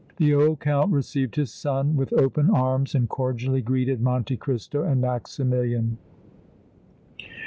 The old Count received his son with open arms and cordially greeted Monte Cristo and Maximilian.